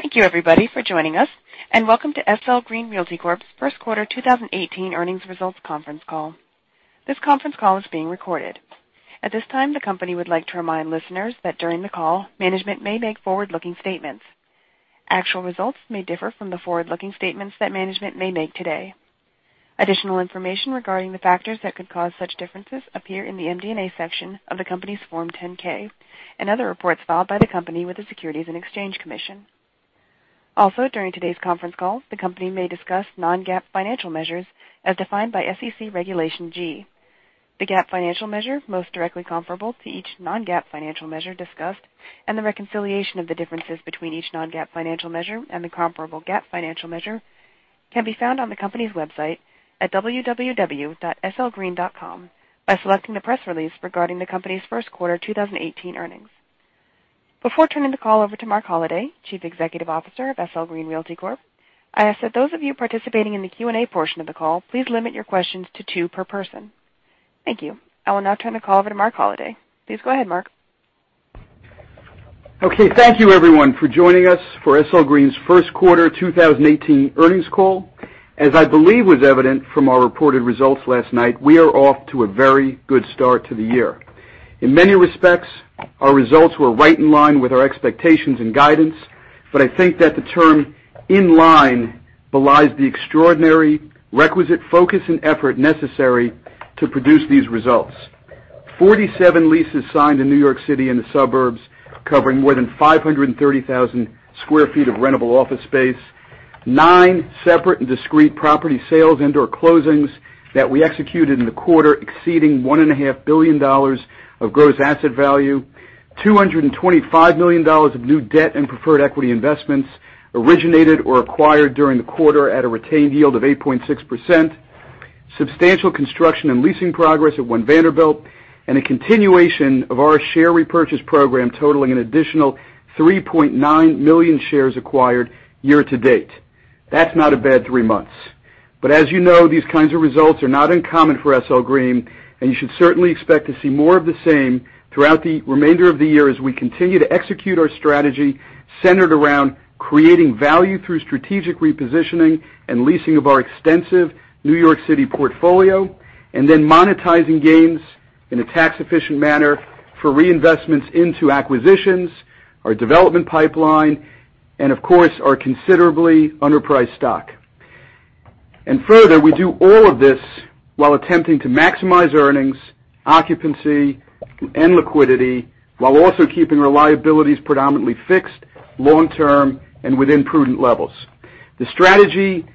Thank you everybody for joining us, and welcome to SL Green Realty Corp's first quarter 2018 earnings results conference call. This conference call is being recorded. At this time, the company would like to remind listeners that during the call, management may make forward-looking statements. Actual results may differ from the forward-looking statements that management may make today. Additional information regarding the factors that could cause such differences appear in the MD&A section of the company's Form 10-K and other reports filed by the company with the Securities and Exchange Commission. Also, during today's conference call, the company may discuss non-GAAP financial measures as defined by SEC Regulation G. The GAAP financial measure most directly comparable to each non-GAAP financial measure discussed, and the reconciliation of the differences between each non-GAAP financial measure and the comparable GAAP financial measure can be found on the company's website at www.slgreen.com by selecting the press release regarding the company's first quarter 2018 earnings. Before turning the call over to Marc Holliday, Chief Executive Officer of SL Green Realty Corp, I ask that those of you participating in the Q&A portion of the call, please limit your questions to two per person. Thank you. I will now turn the call over to Marc Holliday. Please go ahead, Marc. Okay. Thank you everyone for joining us for SL Green's first quarter 2018 earnings call. As I believe was evident from our reported results last night, we are off to a very good start to the year. In many respects, our results were right in line with our expectations and guidance, I think that the term in line belies the extraordinary requisite focus and effort necessary to produce these results. 47 leases signed in New York City and the suburbs, covering more than 530,000 sq ft of rentable office space. nine separate and discreet property sales and/or closings that we executed in the quarter, exceeding $1.5 billion of gross asset value. $225 million of new debt and preferred equity investments originated or acquired during the quarter at a retained yield of 8.6%. Substantial construction and leasing progress at One Vanderbilt, a continuation of our share repurchase program totaling an additional 3.9 million shares acquired year to date. That's not a bad three months. As you know, these kinds of results are not uncommon for SL Green, and you should certainly expect to see more of the same throughout the remainder of the year as we continue to execute our strategy centered around creating value through strategic repositioning and leasing of our extensive New York City portfolio. Monetizing gains in a tax-efficient manner for reinvestments into acquisitions, our development pipeline, and of course, our considerably underpriced stock. Further, we do all of this while attempting to maximize earnings, occupancy, and liquidity, while also keeping our liabilities predominantly fixed, long-term, and within prudent levels. The strategy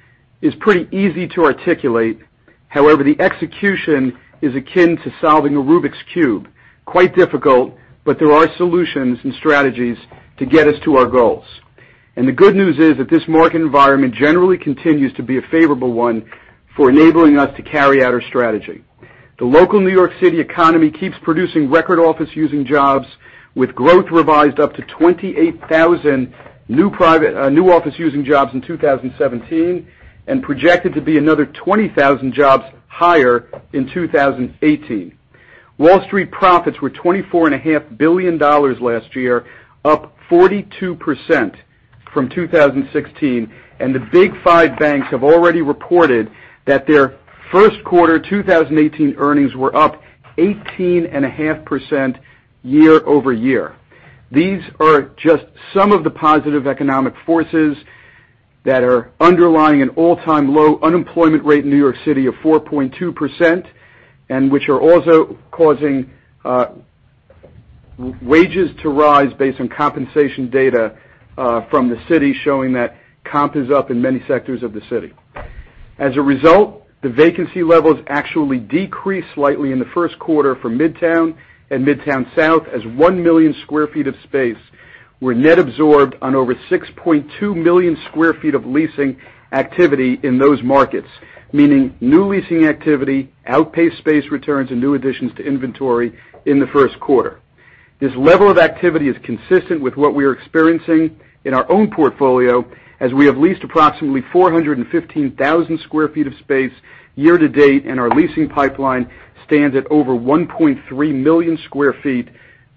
is pretty easy to articulate. However, the execution is akin to solving a Rubik's Cube, quite difficult, but there are solutions and strategies to get us to our goals. The good news is that this market environment generally continues to be a favorable one for enabling us to carry out our strategy. The local New York City economy keeps producing record office using jobs with growth revised up to 28,000 new office using jobs in 2017, and projected to be another 20,000 jobs higher in 2018. Wall Street profits were $24 and a half billion last year, up 42% from 2016, and the Big Five banks have already reported that their first quarter 2018 earnings were up 18 and a half percent year-over-year. These are just some of the positive economic forces that are underlying an all-time low unemployment rate in New York City of 4.2%, and which are also causing wages to rise based on compensation data from the city, showing that comp is up in many sectors of the city. As a result, the vacancy levels actually decreased slightly in the first quarter for Midtown and Midtown South, as 1 million sq ft of space were net absorbed on over 6.2 million sq ft of leasing activity in those markets, meaning new leasing activity outpaced space returns and new additions to inventory in the first quarter. This level of activity is consistent with what we are experiencing in our own portfolio, as we have leased approximately 415,000 sq ft of space year to date, and our leasing pipeline stands at over 1.3 million sq ft,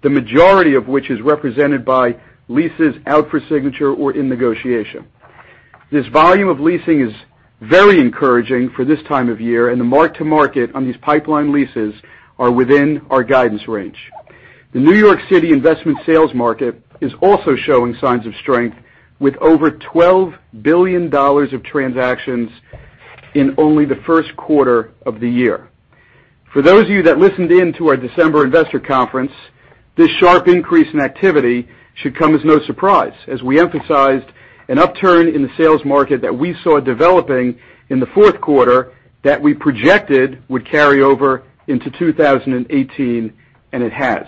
the majority of which is represented by leases out for signature or in negotiation. This volume of leasing is very encouraging for this time of year, and the mark to market on these pipeline leases are within our guidance range. The New York City investment sales market is also showing signs of strength with over $12 billion of transactions in only the first quarter of the year. For those of you that listened in to our December investor conference, this sharp increase in activity should come as no surprise, as we emphasized an upturn in the sales market that we saw developing in the fourth quarter that we projected would carry over into 2018, and it has.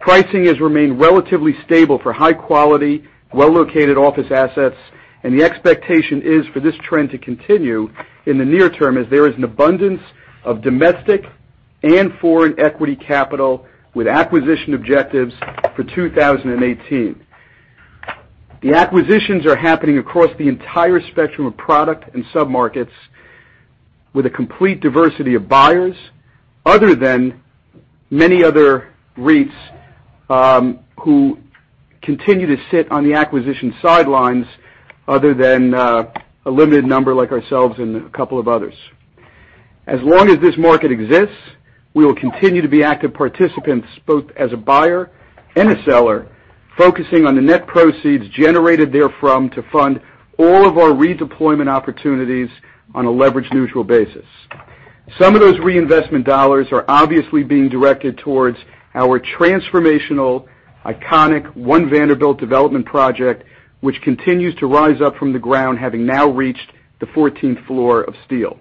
Pricing has remained relatively stable for high quality, well-located office assets, and the expectation is for this trend to continue in the near term as there is an abundance of domestic and foreign equity capital with acquisition objectives for 2018. The acquisitions are happening across the entire spectrum of product and sub-markets with a complete diversity of buyers, other than many other REITs who continue to sit on the acquisition sidelines, other than a limited number like ourselves and a couple of others. Long as this market exists, we will continue to be active participants, both as a buyer and a seller, focusing on the net proceeds generated therefrom to fund all of our redeployment opportunities on a leverage-neutral basis. Some of those reinvestment dollars are obviously being directed towards our transformational, iconic One Vanderbilt development project, which continues to rise up from the ground, having now reached the 14th floor of steel.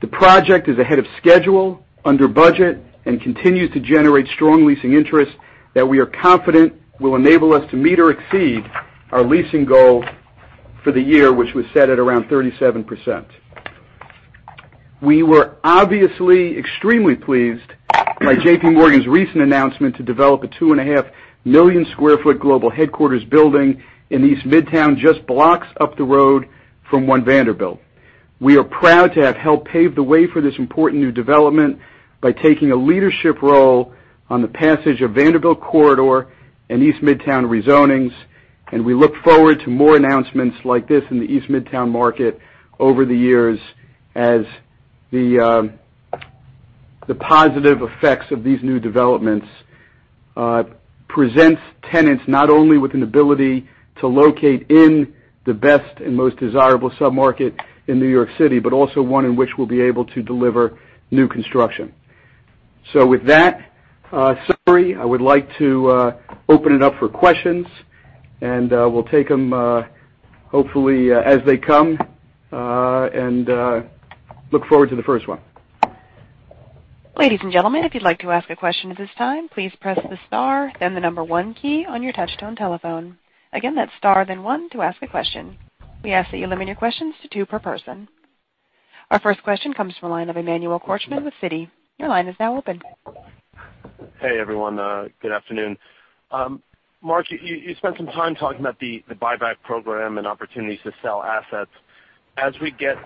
The project is ahead of schedule, under budget, and continues to generate strong leasing interest that we are confident will enable us to meet or exceed our leasing goal for the year, which was set at around 37%. We were obviously extremely pleased by J.P. Morgan's recent announcement to develop a 2.5 million square foot global headquarters building in East Midtown, just blocks up the road from One Vanderbilt. We are proud to have helped pave the way for this important new development by taking a leadership role on the passage of Vanderbilt Corridor and East Midtown rezonings. We look forward to more announcements like this in the East Midtown market over the years as the positive effects of these new developments presents tenants not only with an ability to locate in the best and most desirable sub-market in New York City, but also one in which we'll be able to deliver new construction. With that summary, I would like to open it up for questions. We'll take them hopefully as they come, and look forward to the first one. Ladies and gentlemen, if you'd like to ask a question at this time, please press the star, then the number 1 key on your touch-tone telephone. Again, that's star, then one to ask a question. We ask that you limit your questions to two per person. Our first question comes from the line of Emmanuel Korchman of Citi. Your line is now open. Hey, everyone. Good afternoon. Marc, you spent some time talking about the buyback program and opportunities to sell assets. As we get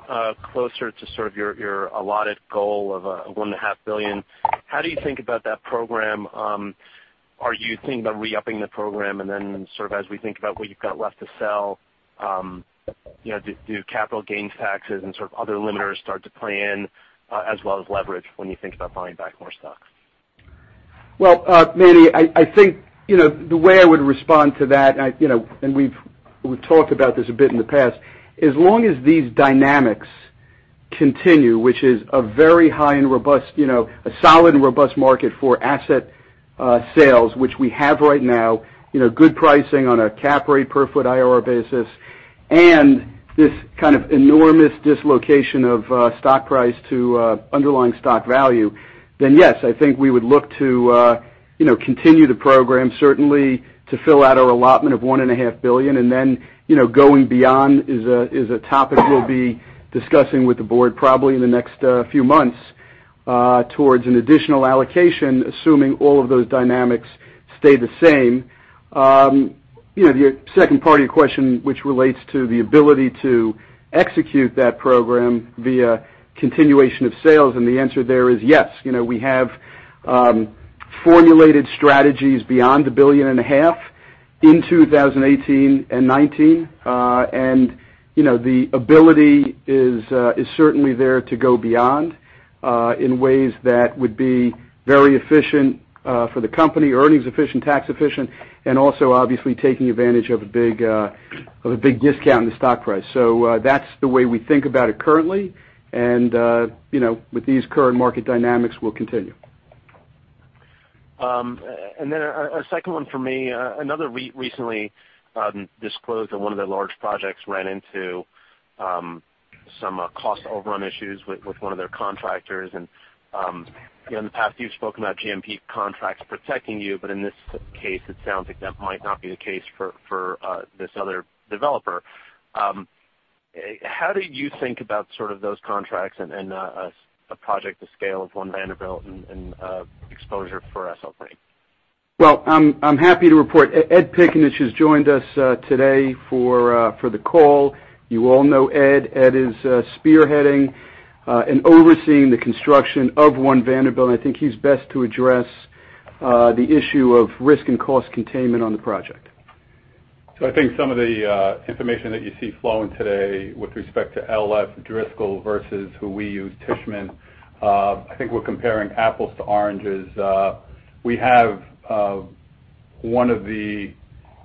closer to sort of your allotted goal of $one and a half billion, how do you think about that program? Are you thinking about re-upping the program? Then sort of as we think about what you've got left to sell, do capital gains taxes and sort of other limiters start to play in as well as leverage when you think about buying back more stocks? Well, Manny, I think the way I would respond to that, and we've talked about this a bit in the past. As long as these dynamics continue, which is a very high and robust, a solid and robust market for asset sales, which we have right now, good pricing on a cap rate per foot IRR basis, and this kind of enormous dislocation of stock price to underlying stock value, then yes, I think we would look to continue the program, certainly to fill out our allotment of one and a half billion. Then, going beyond is a topic we'll be discussing with the board probably in the next few months towards an additional allocation, assuming all of those dynamics stay the same. The second part of your question, which relates to the ability to execute that program via continuation of sales, the answer there is yes. We have formulated strategies beyond a billion and a half in 2018 and 2019. The ability is certainly there to go beyond in ways that would be very efficient for the company, earnings efficient, tax efficient, and also obviously taking advantage of a big discount in the stock price. That's the way we think about it currently. With these current market dynamics, we'll continue. Then a second one for me. Another REIT recently disclosed that one of their large projects ran into some cost overrun issues with one of their contractors. In the past, you've spoken about GMP contracts protecting you. In this case, it sounds like that might not be the case for this other developer. How do you think about sort of those contracts and a project the scale of One Vanderbilt and exposure for SL Green? Well, I'm happy to report Ed Piccinich has joined us today for the call. You all know Ed. Ed is spearheading and overseeing the construction of One Vanderbilt, I think he's best to address the issue of risk and cost containment on the project. I think some of the information that you see flowing today with respect to L.F. Driscoll versus who we use, Tishman, I think we're comparing apples to oranges. We have one of the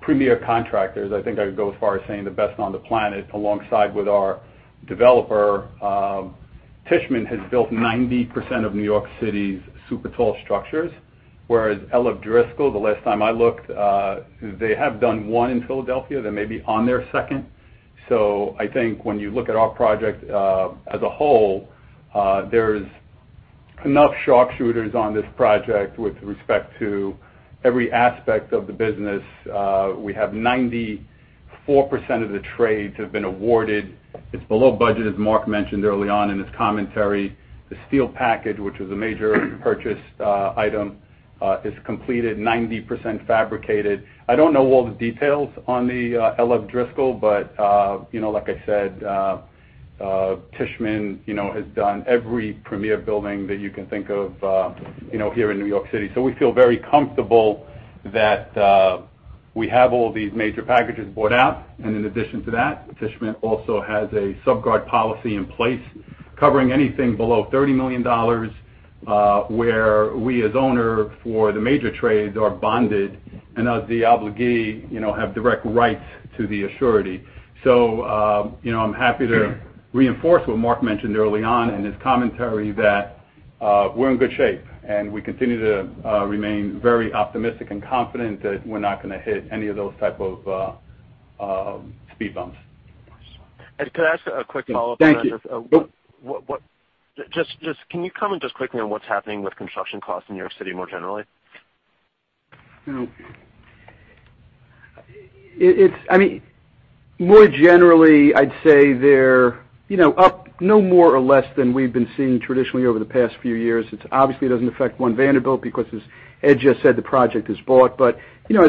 premier contractors, I think I would go as far as saying the best on the planet, alongside with our developer. Tishman has built 90% of New York City's super tall structures, whereas L.F. Driscoll, the last time I looked, they have done one in Philadelphia. They may be on their second. I think when you look at our project as a whole, there's enough sharpshooters on this project with respect to every aspect of the business. We have 94% of the trades have been awarded. It's below budget, as Marc mentioned early on in his commentary. The steel package, which was a major purchase item is completed 90% fabricated. I don't know all the details on the L.F. Driscoll, like I said, Tishman has done every premier building that you can think of here in New York City. We feel very comfortable that we have all these major packages bought out, and in addition to that, Tishman also has a sub-guard policy in place covering anything below $30 million, where we, as owner for the major trades, are bonded, and as the obligee, have direct rights to the surety. I'm happy to reinforce what Marc mentioned early on in his commentary that we're in good shape, and we continue to remain very optimistic and confident that we're not going to hit any of those type of speed bumps. Ed, could I ask a quick follow-up on that? Thank you. Just can you comment just quickly on what's happening with construction costs in New York City more generally? It's, more generally, I'd say they're up no more or less than we've been seeing traditionally over the past few years. It obviously doesn't affect One Vanderbilt because, as Ed just said, the project is bought. As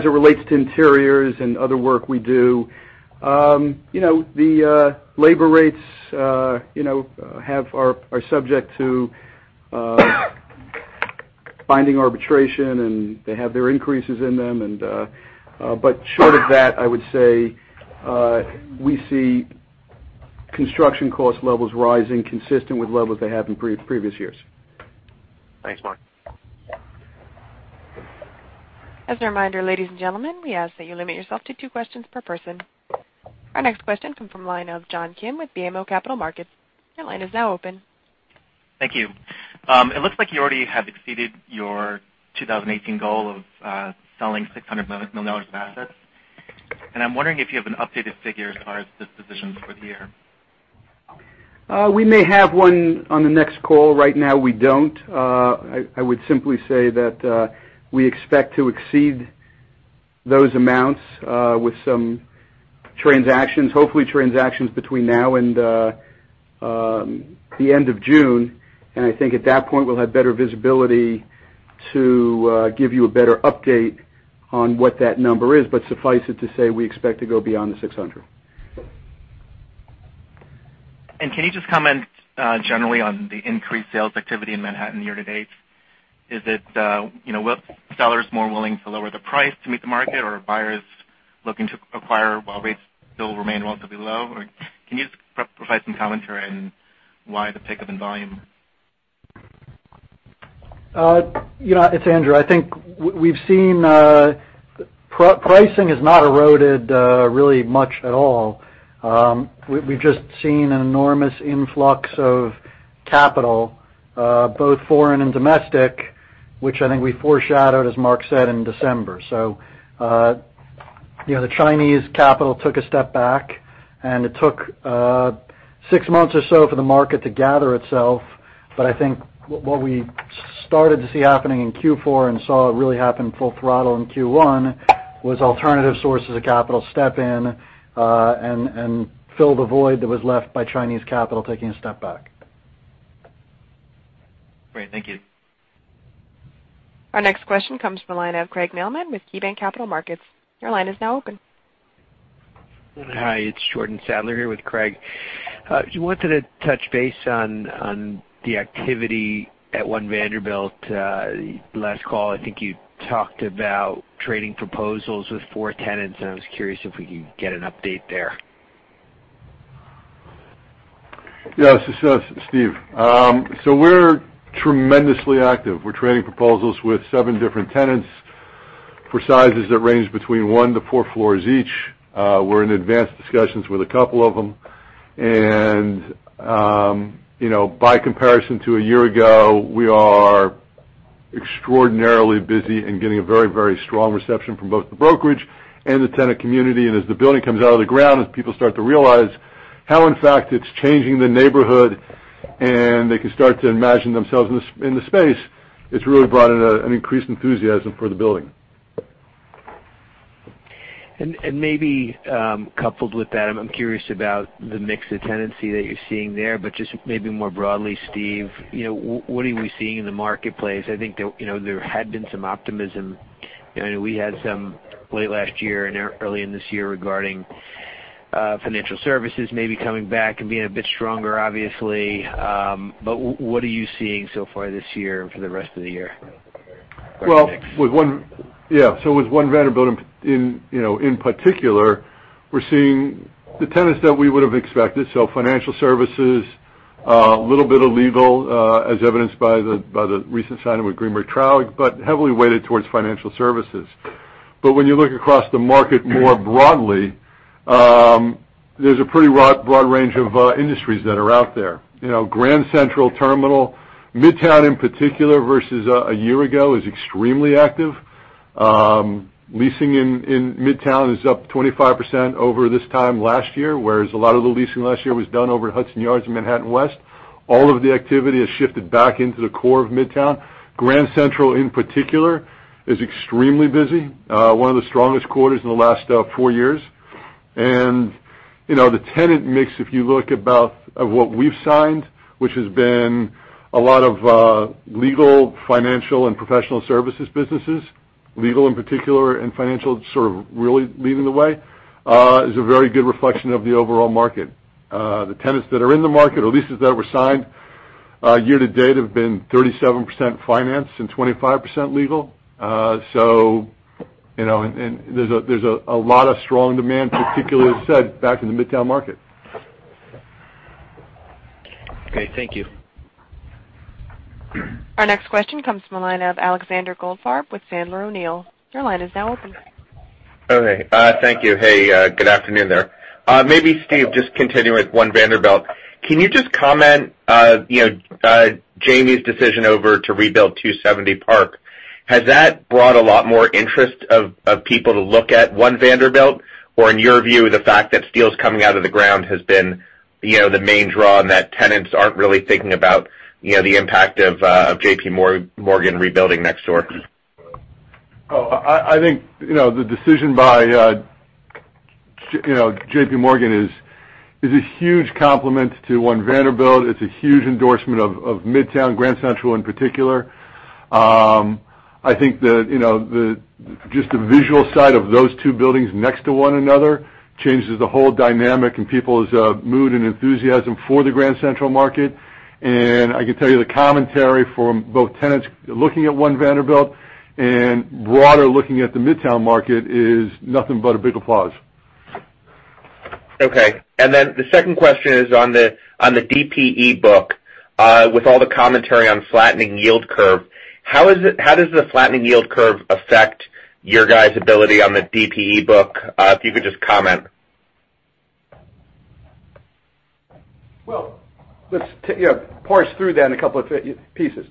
it relates to interiors and other work we do, the labor rates are subject to binding arbitration, and they have their increases in them. Short of that, I would say, we see construction cost levels rising consistent with levels they have in previous years. Thanks, Marc. As a reminder, ladies and gentlemen, we ask that you limit yourself to two questions per person. Our next question comes from the line of John Kim with BMO Capital Markets. Your line is now open. Thank you. It looks like you already have exceeded your 2018 goal of selling $600 million of assets. I'm wondering if you have an updated figure as far as dispositions for the year. We may have one on the next call. Right now, we don't. I would simply say that we expect to exceed those amounts, with some transactions, hopefully transactions between now and the end of June. I think at that point, we'll have better visibility to give you a better update on what that number is. Suffice it to say, we expect to go beyond the $600. Can you just comment generally on the increased sales activity in Manhattan year-to-date? Is it sellers more willing to lower the price to meet the market, or are buyers looking to acquire while rates still remain relatively low? Can you just provide some commentary on why the pickup in volume? It's Andrew. I think we've seen pricing has not eroded really much at all. We've just seen an enormous influx of capital, both foreign and domestic, which I think we foreshadowed, as Marc said, in December. The Chinese capital took a step back, and it took six months or so for the market to gather itself. I think what we started to see happening in Q4 and saw it really happen full throttle in Q1, was alternative sources of capital step in, and fill the void that was left by Chinese capital taking a step back. Great. Thank you. Our next question comes from the line of Craig Mailman with KeyBanc Capital Markets. Your line is now open. Hi, it's Jordan Sadler here with Craig. Just wanted to touch base on the activity at One Vanderbilt. Last call, I think you talked about trading proposals with four tenants. I was curious if we could get an update there. Yes. This is Steve. We're tremendously active. We're trading proposals with seven different tenants for sizes that range between one to four floors each. We're in advanced discussions with a couple of them. By comparison to a year ago, we are extraordinarily busy and getting a very strong reception from both the brokerage and the tenant community. As the building comes out of the ground, as people start to realize how, in fact, it's changing the neighborhood and they can start to imagine themselves in the space, it's really brought in an increased enthusiasm for the building. Maybe, coupled with that, I'm curious about the mix of tenancy that you're seeing there, but just maybe more broadly, Steve, what are we seeing in the marketplace? I think there had been some optimism. We had some late last year and early in this year regarding financial services maybe coming back and being a bit stronger, obviously. What are you seeing so far this year and for the rest of the year regarding mix? With One Vanderbilt in particular, we're seeing the tenants that we would've expected. Financial services, a little bit of legal, as evidenced by the recent signing with Greenberg Traurig, but heavily weighted towards financial services. When you look across the market more broadly, there's a pretty broad range of industries that are out there. Grand Central Terminal, Midtown, in particular, versus a year ago, is extremely active. Leasing in Midtown is up 25% over this time last year, whereas a lot of the leasing last year was done over at Hudson Yards in Manhattan West. All of the activity has shifted back into the core of Midtown. Grand Central, in particular, is extremely busy. One of the strongest quarters in the last four years. The tenant mix, if you look at what we've signed, which has been a lot of legal, financial, and professional services businesses, legal in particular, and financial sort of really leading the way, is a very good reflection of the overall market. The tenants that are in the market, or leases that were signed year to date, have been 37% finance and 25% legal. There's a lot of strong demand, particularly, as I said, back in the Midtown market. Okay, thank you. Our next question comes from the line of Alexander Goldfarb with Sandler O'Neill. Your line is now open. Okay, thank you. Hey, good afternoon there. Maybe Steve, just continuing with One Vanderbilt. Can you just comment, Jamie's decision over to rebuild 270 Park, has that brought a lot more interest of people to look at One Vanderbilt? Or in your view, the fact that steel's coming out of the ground has been the main draw and that tenants aren't really thinking about the impact of JP Morgan rebuilding next door? I think, the decision by JP Morgan is a huge compliment to One Vanderbilt. It's a huge endorsement of Midtown, Grand Central in particular. I think that just the visual side of those two buildings next to one another changes the whole dynamic and people's mood and enthusiasm for the Grand Central market. I can tell you the commentary from both tenants looking at One Vanderbilt and broader looking at the Midtown market is nothing but a big applause. Okay. The second question is on the DPE book, with all the commentary on flattening yield curve, how does the flattening yield curve affect your guys' ability on the DPE book? If you could just comment. Well, let's parse through that in a couple of pieces.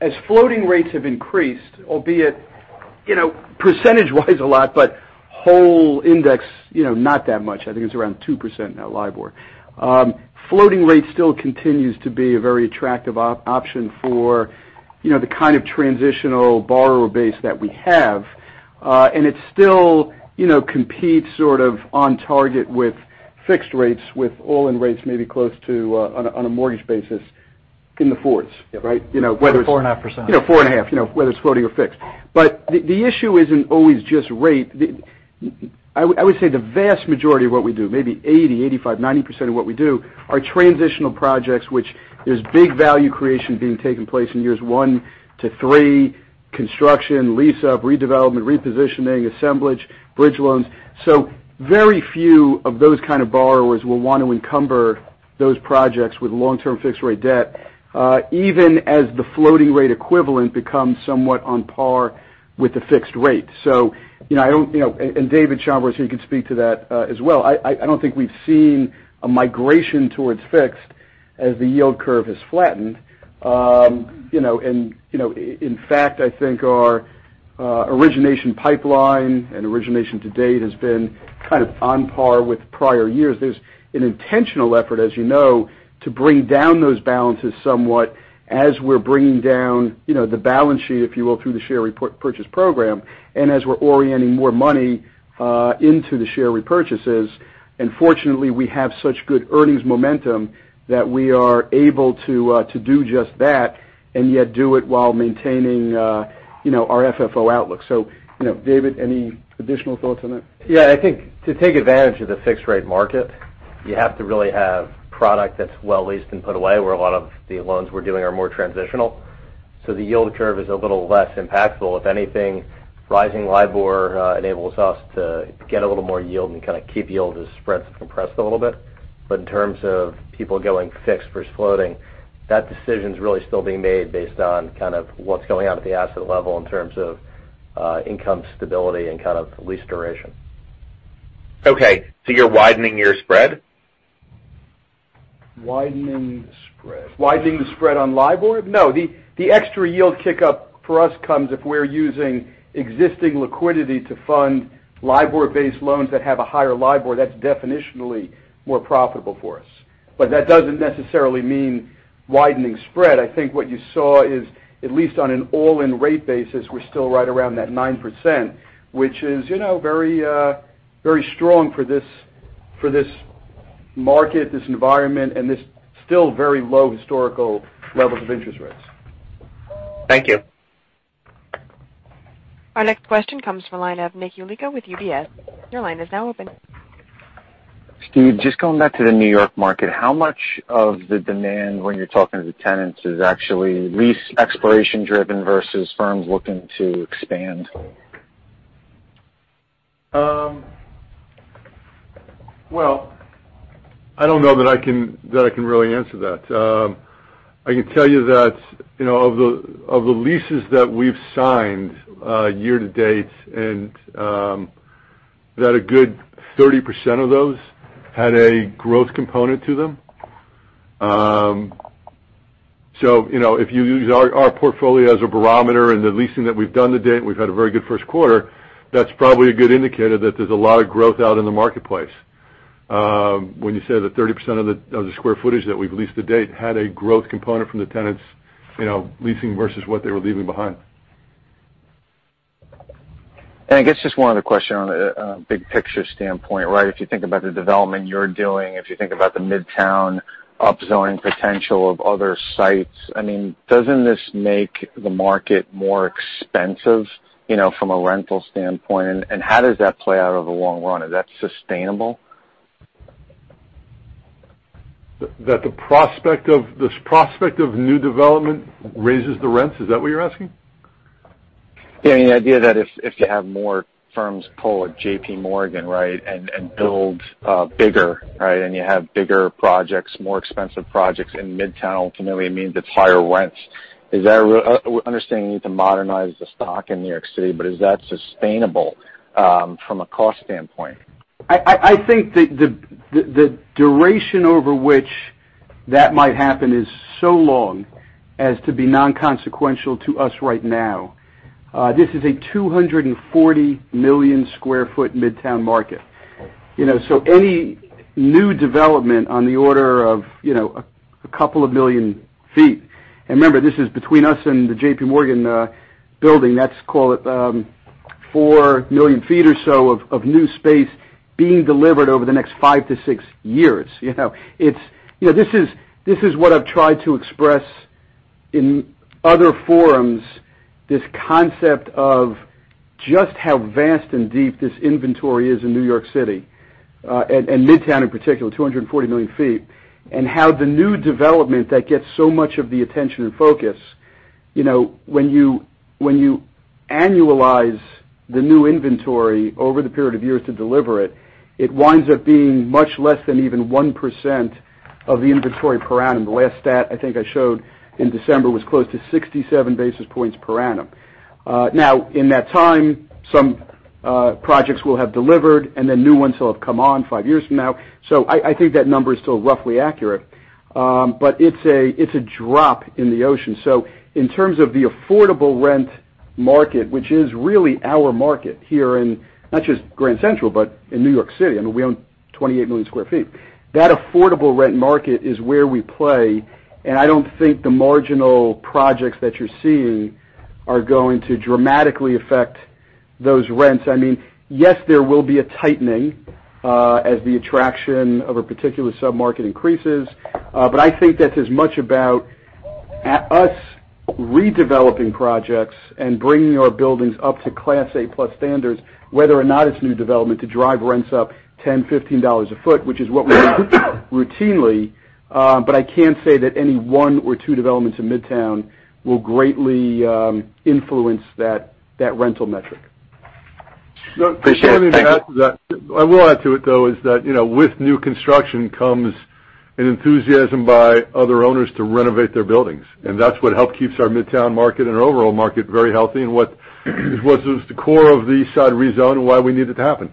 As floating rates have increased, albeit percentage-wise a lot, but whole index, not that much, I think it's around 2% now, LIBOR. Floating rates still continues to be a very attractive option for the kind of transitional borrower base that we have. It still competes sort of on target with fixed rates, with all-in rates maybe close to, on a mortgage basis, in the fours. Right? Yeah. 4.5%. Yeah, four and a half, whether it's floating or fixed. The issue isn't always just rate. I would say the vast majority of what we do, maybe 80, 85, 90% of what we do are transitional projects, which there's big value creation being taken place in years one to three, construction, lease up, redevelopment, repositioning, assemblage, bridge loans. Very few of those kind of borrowers will want to encumber those projects with long-term fixed rate debt, even as the floating rate equivalent becomes somewhat on par with the fixed rate. David Schonbraun here can speak to that as well. I don't think we've seen a migration towards fixed as the yield curve has flattened. In fact, I think our origination pipeline and origination to date has been kind of on par with prior years. There's an intentional effort, as you know, to bring down those balances somewhat as we're bringing down the balance sheet, if you will, through the share repurchase program and as we're orienting more money into the share repurchases. Fortunately, we have such good earnings momentum that we are able to do just that and yet do it while maintaining our FFO outlook. David, any additional thoughts on that? I think to take advantage of the fixed rate market, you have to really have product that's well leased and put away, where a lot of the loans we're doing are more transitional. The yield curve is a little less impactful. If anything, rising LIBOR enables us to get a little more yield and kind of keep yield as spreads have compressed a little bit. In terms of people going fixed versus floating, that decision's really still being made based on what's going on at the asset level in terms of income stability and lease duration. Okay. You're widening your spread? Widening the spread. Widening the spread on LIBOR? No, the extra yield kick-up for us comes if we're using existing liquidity to fund LIBOR-based loans that have a higher LIBOR, that's definitionally more profitable for us. That doesn't necessarily mean widening spread. I think what you saw is, at least on an all-in rate basis, we're still right around that 9%, which is very strong for this market, this environment, and this still very low historical levels of interest rates. Thank you. Our next question comes from the line of Nick Yulico with UBS. Your line is now open. Steve, just going back to the New York market, how much of the demand when you're talking to tenants is actually lease expiration driven versus firms looking to expand? Well, I don't know that I can really answer that. I can tell you that of the leases that we've signed year to date, a good 30% of those had a growth component to them. If you use our portfolio as a barometer and the leasing that we've done to date, we've had a very good first quarter, that's probably a good indicator that there's a lot of growth out in the marketplace. When you said that 30% of the square footage that we've leased to date had a growth component from the tenants leasing versus what they were leaving behind. I guess just one other question on a big picture standpoint, if you think about the development you're doing, if you think about the Midtown upzoning potential of other sites, doesn't this make the market more expensive from a rental standpoint, and how does that play out over the long run? Is that sustainable? That this prospect of new development raises the rents, is that what you're asking? Yeah, the idea that if you have more firms pull a JPMorgan and build bigger, and you have bigger projects, more expensive projects in Midtown ultimately means it's higher rents. We're understanding you need to modernize the stock in New York City, is that sustainable from a cost standpoint? I think that the duration over which that might happen is so long as to be non-consequential to us right now. This is a 240-million-square-foot Midtown market. Any new development on the order of a couple of million feet, and remember, this is between us and the JPMorgan building, that's, call it, 4 million feet or so of new space being delivered over the next five to six years. This is what I've tried to express in other forums, this concept of just how vast and deep this inventory is in New York City, and Midtown in particular, 240 million feet. How the new development that gets so much of the attention and focus, when you annualize the new inventory over the period of years to deliver it winds up being much less than even 1% of the inventory per annum. The last stat I think I showed in December was close to 67 basis points per annum. In that time, some projects will have delivered, then new ones will have come on five years from now. I think that number is still roughly accurate. It's a drop in the ocean. In terms of the affordable rent market, which is really our market here in not just Grand Central, but in New York City, I mean, we own 28 million square feet. That affordable rent market is where we play, I don't think the marginal projects that you're seeing are going to dramatically affect those rents. Yes, there will be a tightening as the attraction of a particular sub-market increases. I think that's as much about us redeveloping projects and bringing our buildings up to Class A+ standards, whether or not it's new development to drive rents up 10%, $15 a foot, which is what we do routinely. I can't say that any one or two developments in Midtown will greatly influence that rental metric. Appreciate it. Thank you. I will add to it, though, is that with new construction comes an enthusiasm by other owners to renovate their buildings, and that's what help keeps our Midtown market and our overall market very healthy and what was the core of the East Side rezone and why we need it to happen.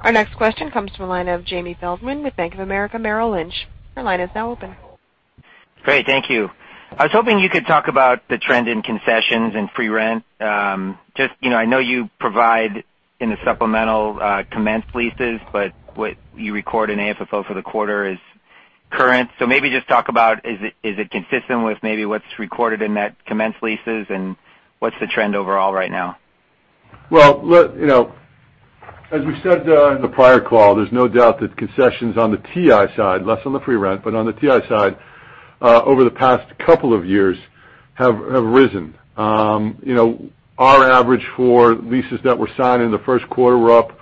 Our next question comes from the line of Jamie Feldman with Bank of America Merrill Lynch. Your line is now open. Great. Thank you. I was hoping you could talk about the trend in concessions and free rent. I know you provide in the supplemental commenced leases, what you record in AFFO for the quarter is current. Maybe just talk about, is it consistent with maybe what's recorded in that commenced leases, and what's the trend overall right now? Well, as we said in the prior call, there's no doubt that concessions on the TI side, less on the free rent, but on the TI side, over the past couple of years, have risen. Our average for leases that were signed in the first quarter were up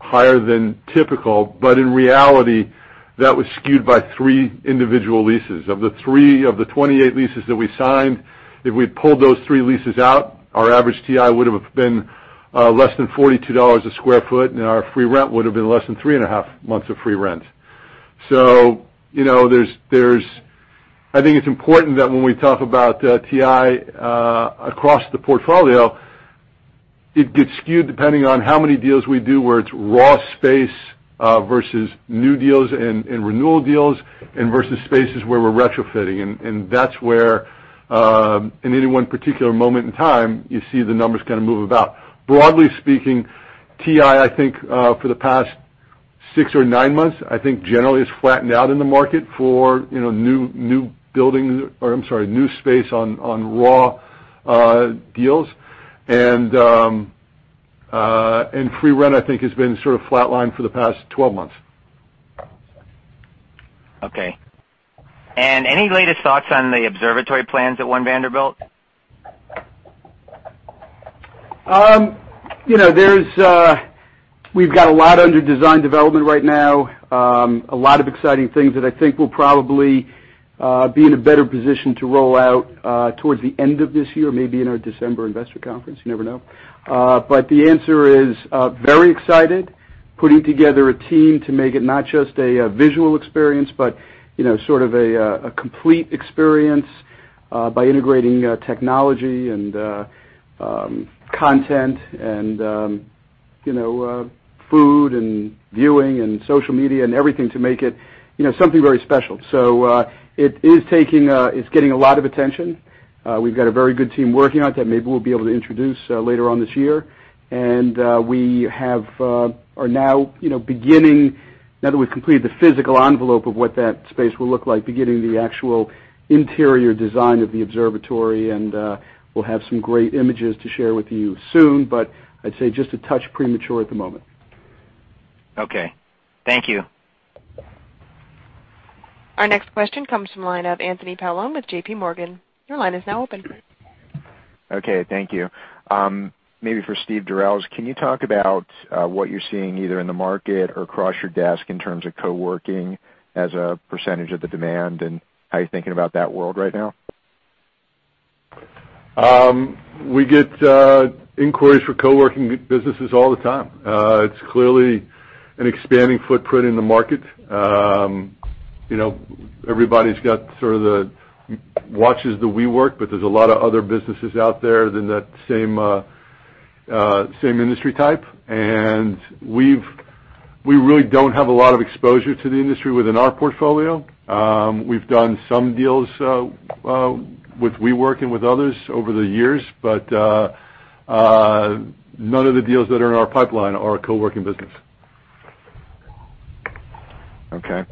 higher than typical. In reality, that was skewed by three individual leases. Of the 28 leases that we signed, if we pulled those three leases out, our average TI would have been less than $42 a square foot, and our free rent would have been less than three and a half months of free rent. I think it's important that when we talk about TI across the portfolio, it gets skewed depending on how many deals we do, where it's raw space versus new deals and renewal deals and versus spaces where we're retrofitting, and that's where, in any one particular moment in time, you see the numbers kind of move about. Broadly speaking, TI, I think for the past six or nine months, I think generally has flattened out in the market for new space on raw deals. Free rent, I think, has been sort of flat lined for the past 12 months. Okay. Any latest thoughts on the observatory plans at One Vanderbilt? We've got a lot under design development right now. A lot of exciting things that I think we'll probably be in a better position to roll out towards the end of this year, maybe in our December investor conference. You never know. The answer is, very excited, putting together a team to make it not just a visual experience, but sort of a complete experience, by integrating technology and content and food and viewing and social media and everything to make it something very special. It's getting a lot of attention. We've got a very good team working on it that maybe we'll be able to introduce later on this year. We are now beginning, now that we've completed the physical envelope of what that space will look like, beginning the actual interior design of the observatory, and we'll have some great images to share with you soon, I'd say just a touch premature at the moment. Okay. Thank you. Our next question comes from line of Anthony Paolone with J.P. Morgan. Your line is now open. Okay, thank you. Maybe for Steve Durels, can you talk about what you're seeing either in the market or across your desk in terms of co-working as a percentage of the demand, and how you're thinking about that world right now? We get inquiries for co-working businesses all the time. It's clearly an expanding footprint in the market. Everybody's got sort of the watches the WeWork, but there's a lot of other businesses out there in that same industry type. We really don't have a lot of exposure to the industry within our portfolio. We've done some deals, with WeWork and with others over the years, but none of the deals that are in our pipeline are a co-working business. Okay.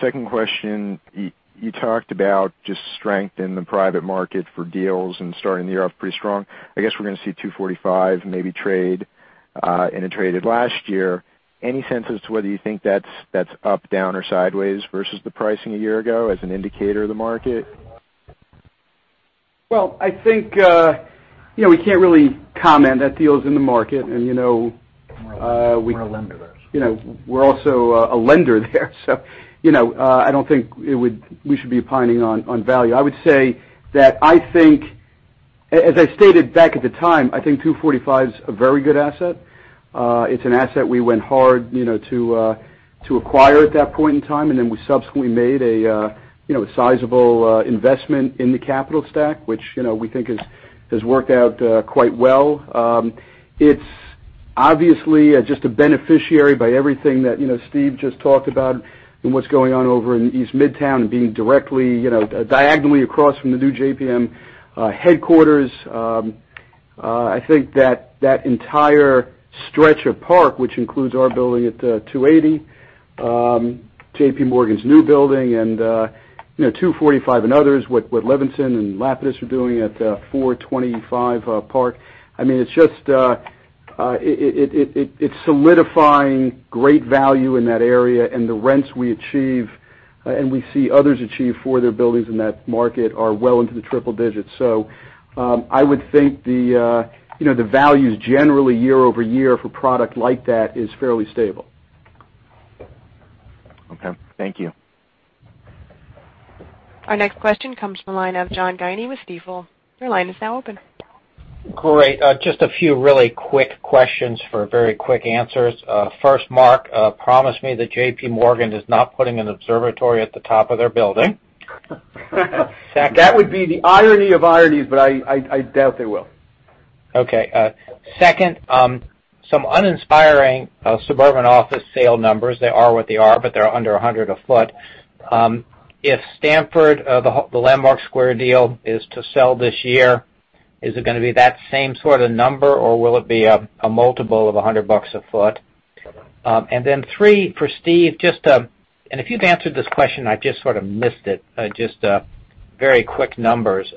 Second question, you talked about just strength in the private market for deals and starting the year off pretty strong. I guess we're going to see 245 maybe trade, and it traded last year. Any sense as to whether you think that's up, down, or sideways versus the pricing a year ago as an indicator of the market? Well, I think, we can't really comment, that deal is in the market. We're a lender there. We're also a lender there. I don't think we should be opining on value. I would say that I think, as I stated back at the time, I think 245's a very good asset. It's an asset we went hard to acquire at that point in time, and then we subsequently made a sizable investment in the capital stack, which we think has worked out quite well. It's obviously just a beneficiary by everything that Steve just talked about and what's going on over in East Midtown and being diagonally across from the new JPM headquarters. I think that that entire stretch of park, which includes our building at 280, J.P. Morgan's new building and 245 and others, what Levinson and Lapidus are doing at 425 Park. It's solidifying great value in that area. The rents we achieve, and we see others achieve for their buildings in that market are well into the triple digits. I would think the values generally year-over-year for product like that is fairly stable. Okay, thank you. Our next question comes from the line of John Guinee with Stifel. Your line is now open. Great. Just a few really quick questions for very quick answers. First, Marc, promise me that J.P. Morgan is not putting an observatory at the top of their building. That would be the irony of ironies, I doubt they will. Okay. Second, some uninspiring suburban office sale numbers. They are what they are, they're under $100 a foot. If Stamford, the Landmark Square deal is to sell this year, is it going to be that same sort of number, or will it be a multiple of $100 a foot? Three for Steve, if you've answered this question, I just sort of missed it. Just very quick numbers.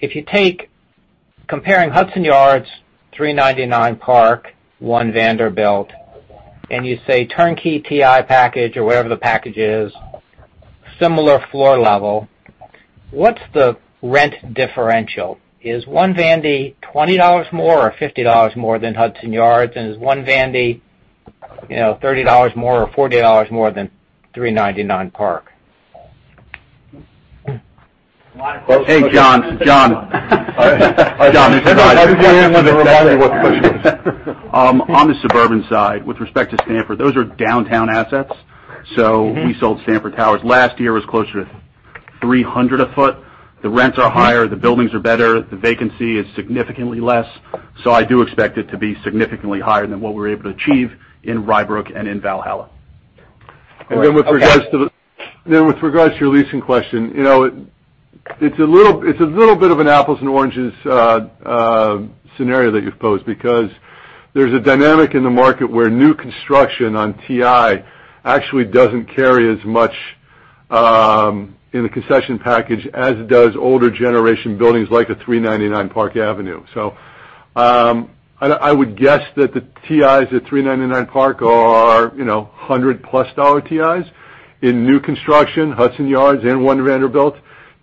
If you take comparing Hudson Yards, 399 Park, One Vanderbilt, and you say turnkey TI package or whatever the package is, similar floor level, what's the rent differential? Is One Vandy $20 more or $50 more than Hudson Yards? Is One Vandy $30 more or $40 more than 399 Park? A lot of questions. Hey, John. On the suburban side, with respect to Stamford, those are downtown assets. We sold Stamford Towers last year, it was closer to $300 a foot. The rents are higher, the buildings are better, the vacancy is significantly less. I do expect it to be significantly higher than what we were able to achieve in Rye Brook and in Valhalla. With regards to your leasing question. It's a little bit of an apples and oranges scenario that you've posed because there's a dynamic in the market where new construction on TI actually doesn't carry as much in the concession package as does older generation buildings like a 399 Park Avenue. I would guess that the TIs at 399 Park are $100-plus TIs. In new construction, Hudson Yards and One Vanderbilt,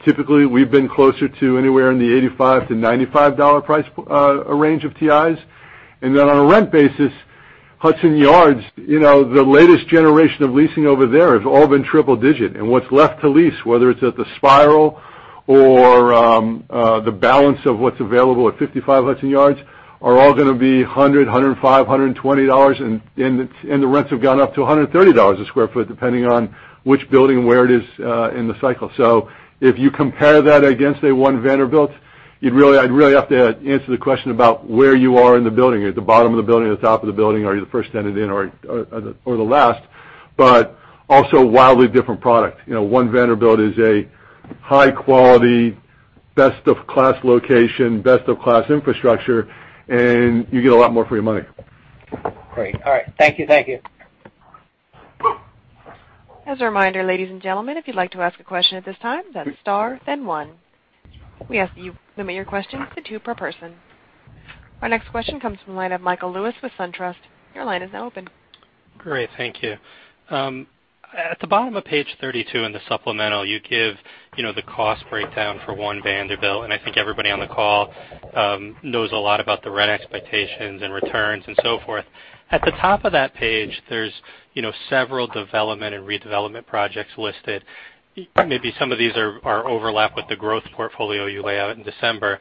typically, we've been closer to anywhere in the $85-$95 price range of TIs. On a rent basis, Hudson Yards, the latest generation of leasing over there has all been triple-digit. What's left to lease, whether it's at The Spiral or the balance of what's available at 55 Hudson Yards, are all going to be $100, $105, $120 and the rents have gone up to $130 a square foot, depending on which building and where it is in the cycle. If you compare that against a One Vanderbilt, I'd really have to answer the question about where you are in the building. Are you at the bottom of the building, or the top of the building? Are you the first tenant in or the last? Also wildly different product. One Vanderbilt is a high-quality, best-of-class location, best-of-class infrastructure, and you get a lot more for your money. Great. All right. Thank you. As a reminder, ladies and gentlemen, if you'd like to ask a question at this time, that's star then one. We ask that you limit your questions to two per person. Our next question comes from the line of Michael Lewis with SunTrust. Your line is now open. Great. Thank you. At the bottom of page 32 in the supplemental, you give the cost breakdown for One Vanderbilt, and I think everybody on the call knows a lot about the rent expectations and returns and so forth. At the top of that page, there's several development and redevelopment projects listed. Maybe some of these are overlap with the growth portfolio you lay out in December.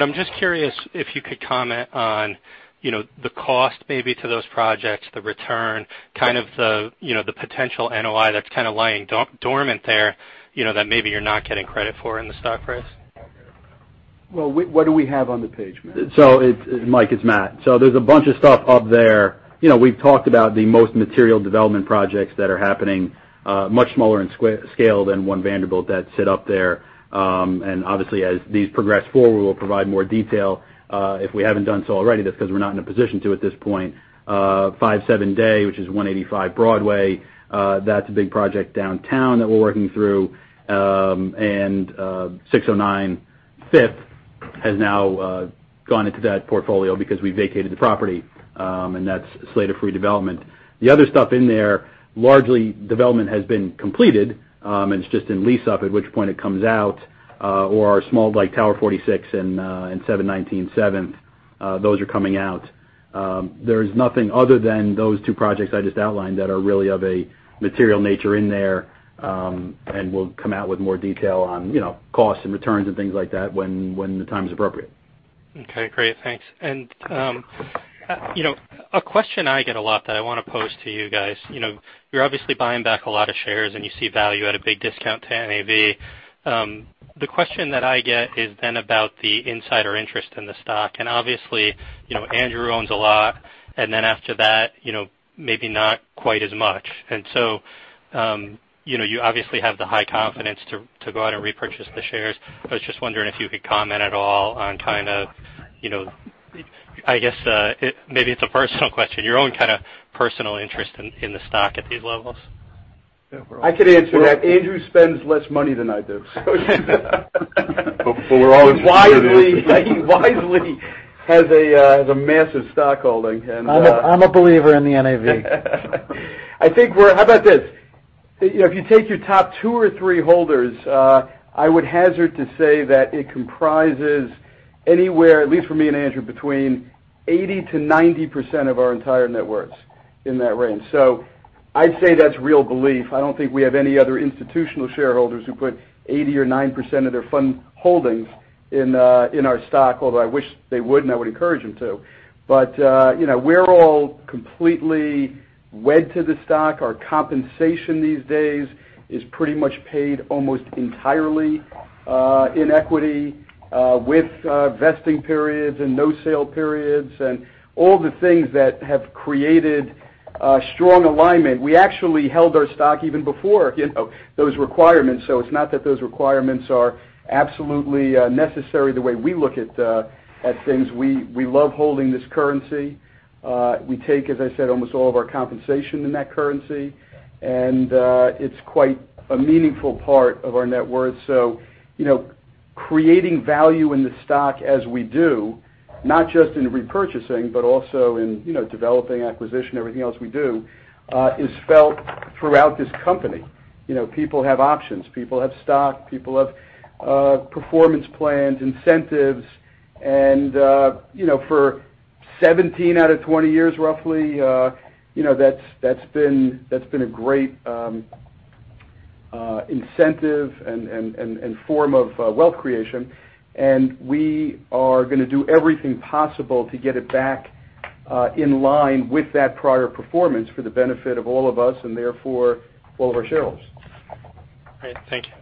I'm just curious if you could comment on the cost maybe to those projects, the return, kind of the potential NOI that's kind of lying dormant there, that maybe you're not getting credit for in the stock price. Well, what do we have on the page, Matt? It's Matt. There's a bunch of stuff up there. We've talked about the most material development projects that are happening, much smaller in scale than One Vanderbilt that sit up there. Obviously as these progress forward, we'll provide more detail. If we haven't done so already, that's because we're not in a position to, at this point. 185 Broadway, which is 185 Broadway, that's a big project downtown that we're working through. 609 Fifth has now gone into that portfolio because we vacated the property, and that's slated for redevelopment. The other stuff in there, largely development has been completed, and it's just in lease up at which point it comes out, or are small like Tower 46 and 719 Seventh. Those are coming out. There's nothing other than those two projects I just outlined that are really of a material nature in there, and we'll come out with more detail on costs and returns and things like that when the time is appropriate. Okay, great. Thanks. A question I get a lot that I want to pose to you guys. You're obviously buying back a lot of shares, and you see value at a big discount to NAV. The question that I get is then about the insider interest in the stock. Obviously, Andrew owns a lot. After that, maybe not quite as much. You obviously have the high confidence to go out and repurchase the shares. I was just wondering if you could comment at all on kind of, I guess, maybe it's a personal question, your own kind of personal interest in the stock at these levels. I could answer that. Andrew spends less money than I do. We're always- Wisely, he wisely has a massive stock holding and- I'm a believer in the NAV. How about this? If you take your top two or three holders, I would hazard to say that it comprises anywhere, at least for me and Andrew, between 80%-90% of our entire net worths, in that range. I'd say that's real belief. I don't think we have any other institutional shareholders who put 80% or 90% of their fund holdings in our stock, although I wish they would, and I would encourage them to. We're all completely wed to the stock. Our compensation these days is pretty much paid almost entirely in equity, with vesting periods and no sale periods and all the things that have created a strong alignment. We actually held our stock even before those requirements. It's not that those requirements are absolutely necessary the way we look at things. We love holding this currency. We take, as I said, almost all of our compensation in that currency, and it's quite a meaningful part of our net worth. Creating value in the stock as we do, not just in repurchasing, but also in developing, acquisition, everything else we do, is felt throughout this company. People have options, people have stock, people have performance plans, incentives, and for 17 out of 20 years roughly, that's been a great incentive and form of wealth creation, and we are going to do everything possible to get it back in line with that prior performance for the benefit of all of us and therefore all of our shareholders. Great. Thank you.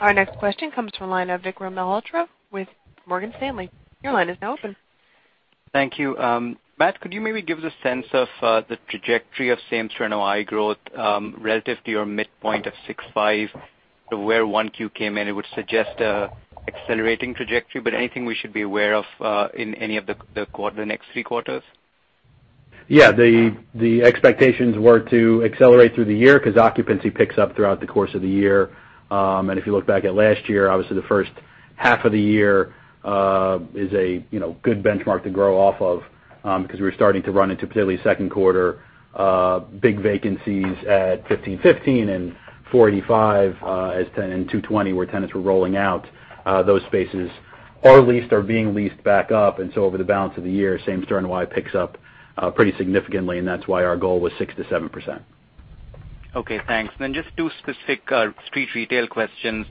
Our next question comes from the line of Vikram Malhotra with Morgan Stanley. Your line is now open. Thank you. Matt, could you maybe give us a sense of the trajectory of same store NOI growth, relative to your midpoint of 6.5, where 1Q came in? It would suggest an accelerating trajectory. Anything we should be aware of, in any of the next three quarters? Yeah, the expectations were to accelerate through the year because occupancy picks up throughout the course of the year. If you look back at last year, obviously the first half of the year is a good benchmark to grow off of, because we were starting to run into, particularly second quarter, big vacancies at 1515 and 485 and 220, where tenants were rolling out. Those spaces are leased or being leased back up, so over the balance of the year, same store NOI picks up pretty significantly, and that's why our goal was 6%-7%. Okay, thanks. Just two specific street retail questions.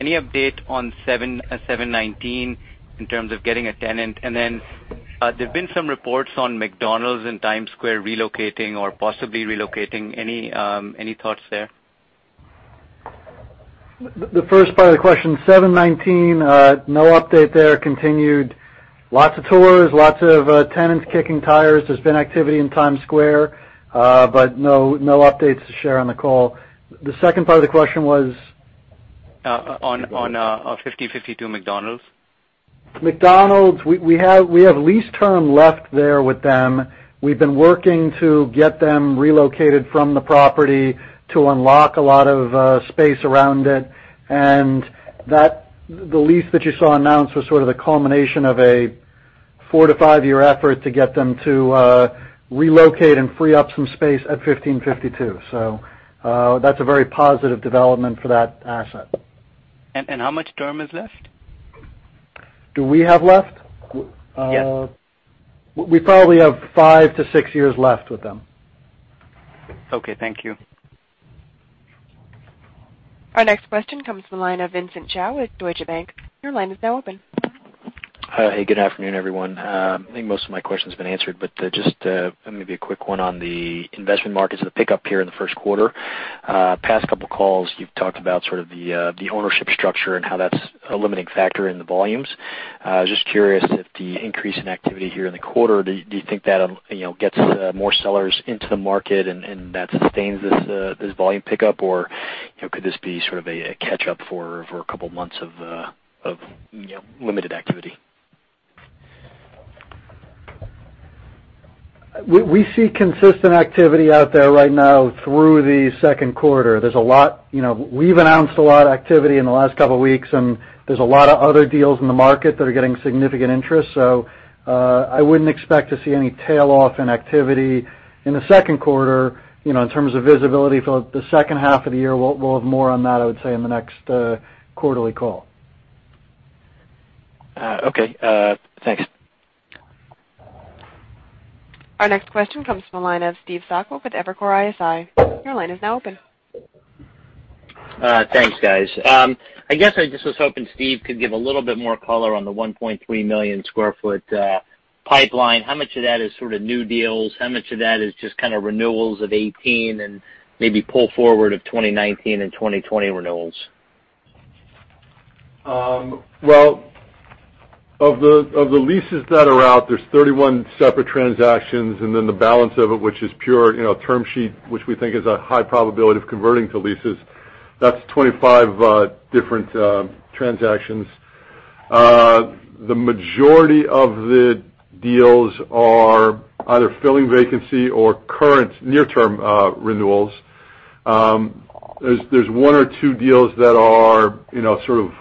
Any update on 719 in terms of getting a tenant? There's been some reports on McDonald's in Times Square relocating or possibly relocating. Any thoughts there? The first part of the question, 719, no update there. Continued lots of tours, lots of tenants kicking tires. There's been activity in Times Square, no updates to share on the call. The second part of the question was? On 1552 McDonald's. McDonald's, we have lease term left there with them. We've been working to get them relocated from the property to unlock a lot of space around it. The lease that you saw announced was sort of the culmination of a 4-5-year effort to get them to relocate and free up some space at 1552. That's a very positive development for that asset. How much term is left? Do we have left? Yes. We probably have 5-6 years left with them. Okay, thank you. Our next question comes from the line of Vincent Chao with Deutsche Bank. Your line is now open. Hi. Good afternoon, everyone. I think most of my question's been answered, but just maybe a quick one on the investment markets, the pickup here in the first quarter. Past couple calls, you've talked about sort of the ownership structure and how that's a limiting factor in the volumes. Just curious if the increase in activity here in the quarter, do you think that gets more sellers into the market and that sustains this volume pickup, or could this be sort of a catch-up for a couple months of limited activity? We see consistent activity out there right now through the second quarter. We've announced a lot of activity in the last couple of weeks, and there's a lot of other deals in the market that are getting significant interest. I wouldn't expect to see any tail off in activity in the second quarter. In terms of visibility for the second half of the year, we'll have more on that, I would say, in the next quarterly call. Okay, thanks. Our next question comes from the line of Steve Sakwa with Evercore ISI. Your line is now open. Thanks, guys. I guess I just was hoping Steve could give a little bit more color on the 1.3 million sq ft pipeline. How much of that is sort of new deals, how much of that is just kind of renewals of 2018, and maybe pull forward of 2019 and 2020 renewals? Of the leases that are out, there's 31 separate transactions, and then the balance of it, which is pure term sheet, which we think is a high probability of converting to leases. That's 25 different transactions. The majority of the deals are either filling vacancy or current near-term renewals. There's one or two deals that are sort of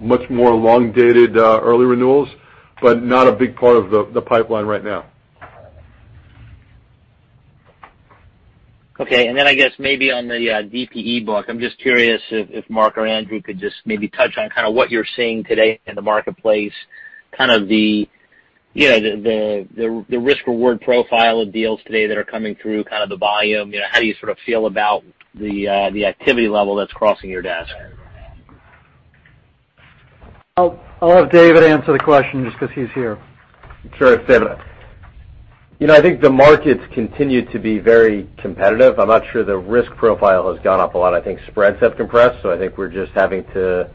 much more long-dated early renewals, but not a big part of the pipeline right now. Okay, I guess maybe on the DPE book, I'm just curious if Marc or Andrew could just maybe touch on kind of what you're seeing today in the marketplace, kind of the risk-reward profile of deals today that are coming through, kind of the volume. How do you sort of feel about the activity level that's crossing your desk? I'll have David answer the question just because he's here. Sure. I think the markets continue to be very competitive. I'm not sure the risk profile has gone up a lot. I think spreads have compressed, I think we're just having to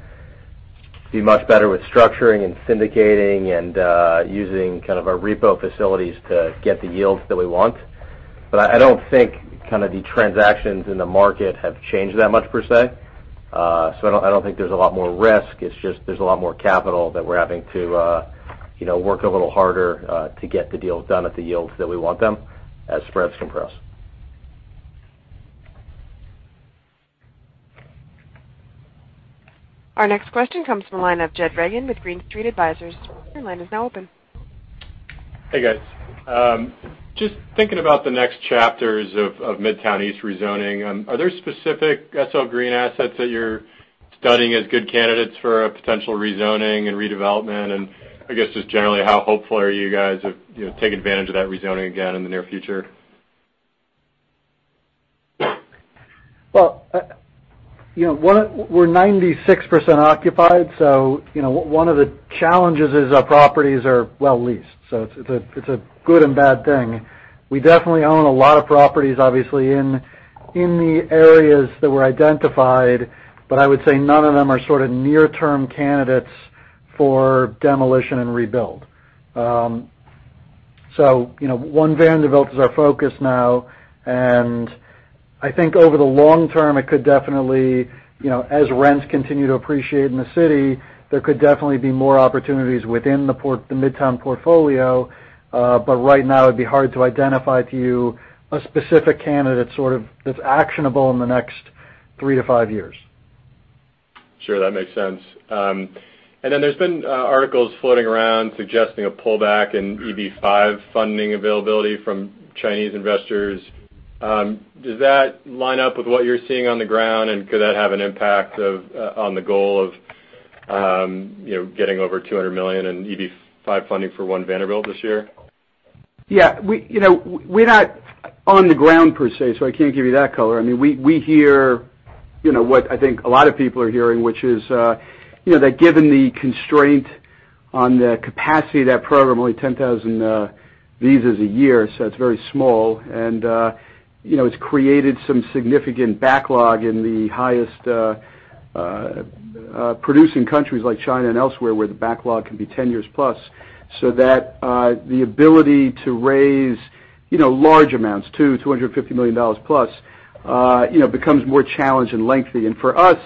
be much better with structuring and syndicating and using kind of our repo facilities to get the yields that we want. I don't think the transactions in the market have changed that much, per se. I don't think there's a lot more risk. It's just there's a lot more capital that we're having to work a little harder to get the deals done at the yields that we want them as spreads compress. Our next question comes from the line of Jed Reagan with Green Street Advisors. Your line is now open. Hey, guys. I guess, just generally, how hopeful are you guys of taking advantage of that rezoning again in the near future? Well, we're 96% occupied, one of the challenges is our properties are well leased. It's a good and bad thing. We definitely own a lot of properties, obviously, in the areas that were identified, I would say none of them are sort of near-term candidates for demolition and rebuild. One Vanderbilt is our focus now, I think over the long term, it could definitely, as rents continue to appreciate in the city, there could definitely be more opportunities within the Midtown portfolio. Right now, it'd be hard to identify to you a specific candidate sort of that's actionable in the next 3 to 5 years. Sure, that makes sense. There's been articles floating around suggesting a pullback in EB-5 funding availability from Chinese investors. Does that line up with what you're seeing on the ground, and could that have an impact on the goal of getting over $200 million in EB-5 funding for One Vanderbilt this year? Yeah. We're not on the ground, per se, I can't give you that color. We hear what I think a lot of people are hearing, which is that given the constraint On the capacity of that program, only 10,000 visas a year, it's very small. It's created some significant backlog in the highest producing countries like China and elsewhere, where the backlog can be 10 years plus, so that the ability to raise large amounts, $250 million plus, becomes more challenged and lengthy. For us,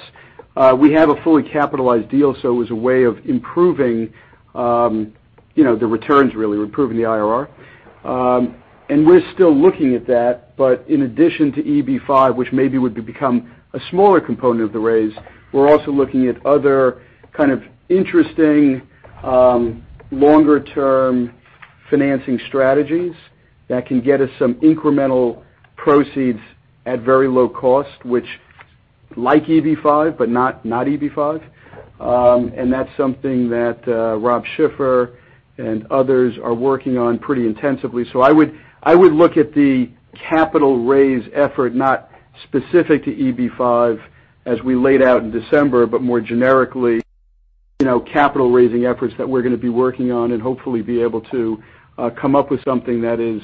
we have a fully capitalized deal, it was a way of improving the returns really, improving the IRR. We're still looking at that. In addition to EB-5, which maybe would become a smaller component of the raise, we're also looking at other kind of interesting longer-term financing strategies that can get us some incremental proceeds at very low cost, which like EB-5, but not EB-5. That's something that Rob Schiffer and others are working on pretty intensively. I would look at the capital raise effort, not specific to EB-5 as we laid out in December, but more generically, capital raising efforts that we're going to be working on and hopefully be able to come up with something that is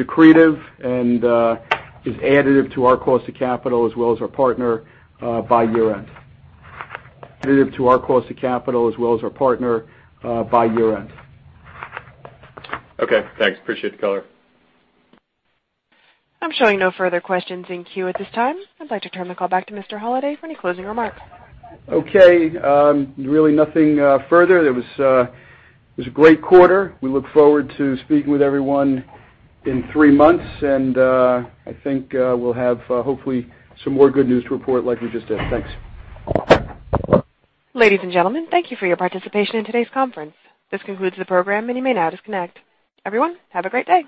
accretive and is additive to our cost of capital as well as our partner, by year-end. Okay, thanks. Appreciate the color. I'm showing no further questions in queue at this time. I'd like to turn the call back to Mr. Holliday for any closing remarks. Okay. Really nothing further. It was a great quarter. We look forward to speaking with everyone in three months. I think we'll have hopefully some more good news to report like we just did. Thanks. Ladies and gentlemen, thank you for your participation in today's conference. This concludes the program. You may now disconnect. Everyone, have a great day.